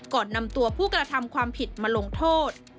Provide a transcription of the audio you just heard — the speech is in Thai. ก่อนนำตัวผู้กระทำความผิดมาลงโทษ